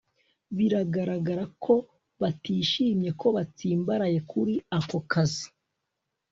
biragaragara ko batishimiye ko batsimbaraye kuri ako kazi